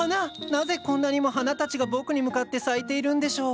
なぜこんなにも花たちが僕に向かって咲いているんでしょう！